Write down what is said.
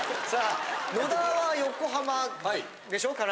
さあ野田は横浜でしょ？